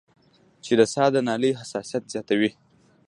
چې د ساه د نالۍ حساسيت زياتوي